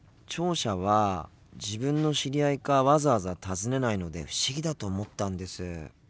聴者は自分の知り合いかわざわざ尋ねないので不思議だと思ったんです。